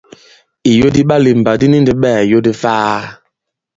Ìyo di ɓalìmbà di ni ndi ɓɛɛ ìyo di ifaa.